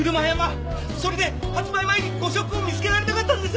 それで発売前に誤植を見つけられなかったんです。